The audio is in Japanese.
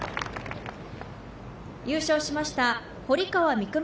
優勝しました堀川未来